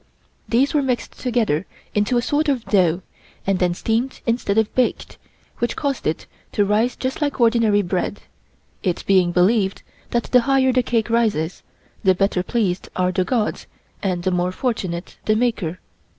These were mixed together into a sort of dough and then steamed instead of baked, which caused it to rise just like ordinary bread, it being believed that the higher the cake rises, the better pleased are the gods and the more fortunate the maker.